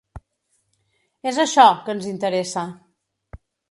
És això, que ens interessa.